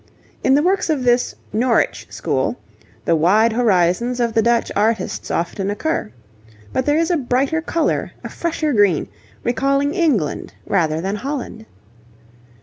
In the works of this 'Norwich School' the wide horizons of the Dutch artists often occur. But there is a brighter colour, a fresher green, recalling England rather than Holland.